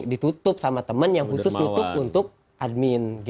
ditutup sama temen yang khusus tutup untuk admin